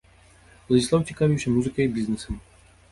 Уладзіслаў цікавіўся музыкай і бізнэсам.